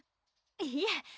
いえ